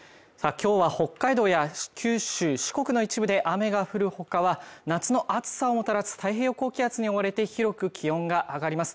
今日は北海道や九州四国の一部で雨が降るほかは夏の暑さをもたらす太平洋高気圧に覆われて広く気温が上がります